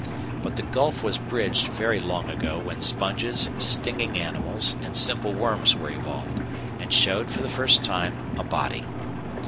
But the gulf was bridged very long ago when sponges, stinging animals, and simple worms were evolved, and showed, for the first time, a "body."